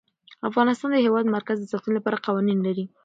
افغانستان د د هېواد مرکز د ساتنې لپاره قوانین لري.